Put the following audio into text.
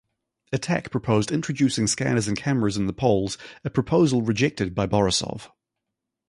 Attack proposed introducing scanners and cameras in the polls, a proposal rejected by Borisov.